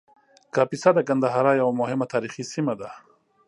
کاپیسا د ګندهارا یوه مهمه تاریخي سیمه وه